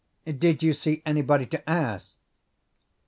"Did you see anybody to ask?"